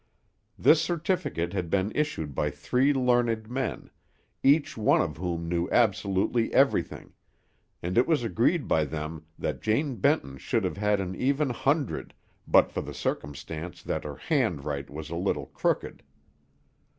This certificate had been issued by three learned men, each one of whom knew absolutely everything; and it was agreed by them that Jane Benton should have had an even hundred but for the circumstance that her "hand write" was a little crooked.